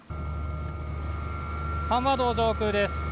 阪和道上空です。